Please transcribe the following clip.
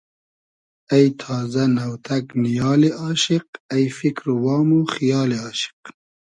اݷ تازۂ ، نۆتئگ نیالی آشیق اݷ فیکر و وام و خیالی آشیق